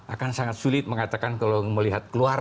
akan sangat sulit mengatakan kalau melihat keluarga